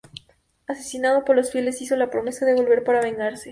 Asesinado por sus fieles, hizo la promesa de volver para vengarse.